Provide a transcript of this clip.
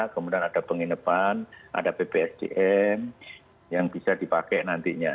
kemudian ada penginapan ada bpsdm yang bisa dipakai nantinya